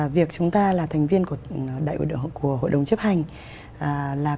việc chúng ta là thành viên của hội đồng chấp hành là cơ quan quyền lực cao nhất